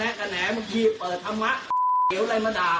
เมื่อกี้เปิดธรรมะเหลียวอะไรมาด่าผม